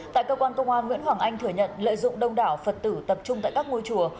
tại cơ quan công an nguyễn hoàng anh thừa nhận lợi dụng đông đảo phật tử tập trung tại các ngôi chùa